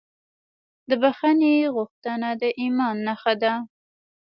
د بښنې غوښتنه د ایمان نښه ده.